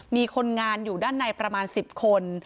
มีคนงานอยู่ด้านในประมาณ๑๐คน